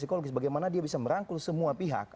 psikologis bagaimana dia bisa merangkul semua pihak